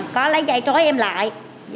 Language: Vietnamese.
có lấy dây trói em lại